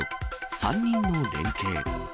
３人の連携。